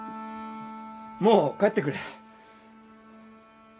もう帰ってくれ。